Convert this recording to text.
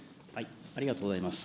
ありがとうございます。